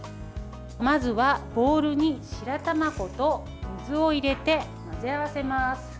まずはボウルに白玉粉と水を入れて混ぜ合わせます。